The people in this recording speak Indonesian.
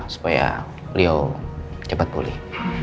supaya beliau cepat pulih